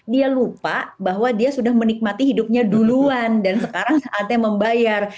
dia lupa bahwa dia sudah menikmati hidupnya duluan dan sekarang saatnya membayar